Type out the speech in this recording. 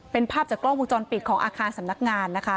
เป็นภาพจากกล้องวงจรปิดของอาคารสำนักงานนะคะ